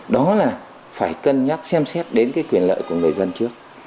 đó là phải cân nhắc xem xét đến cái quyền lợi của người dân trước